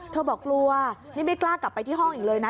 บอกกลัวนี่ไม่กล้ากลับไปที่ห้องอีกเลยนะ